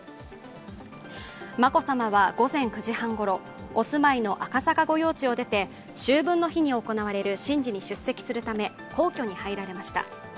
眞子さまは午前９時半ごろ、お住まいの赤坂御用地を出て秋分の日に行われる神事に出席するため、皇居に入られました。